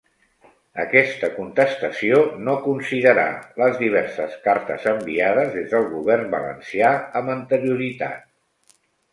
Aquesta contestació no considerà les diverses cartes enviades des del govern valencià amb anterioritat.